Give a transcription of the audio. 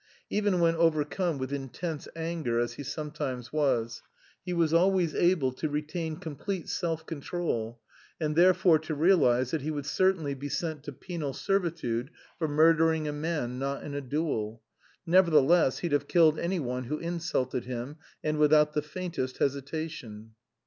Even when overcome with intense anger, as he sometimes was, he was always able to retain complete self control, and therefore to realise that he would certainly be sent to penal servitude for murdering a man not in a duel; nevertheless, he'd have killed any one who insulted him, and without the faintest hesitation.